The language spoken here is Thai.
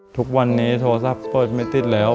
ทุกวันนี้โทรศัพท์เปิดไม่ติดแล้ว